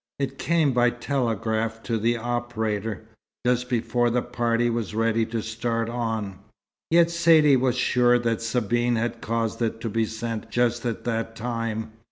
It came by telegraph to the operator, just before the party was ready to start on; yet Saidee was sure that Sabine had caused it to be sent just at that time.